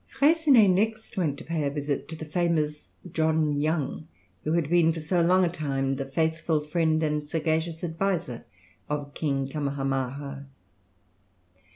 Freycinet next went to pay a visit to the famous John Young, who had been for so long a time the faithful friend and sagacious adviser of King Kamahamaha.